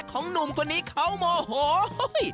ของหนุ่มกว่านี้เขาโมโหย